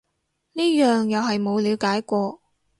呢樣又係冇了解過